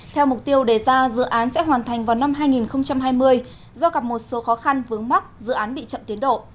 theo mục tiêu đề ra dự án sẽ hoàn thành vào năm hai nghìn hai mươi do gặp một số khó khăn vướng mắc dự án bị chậm tiến độ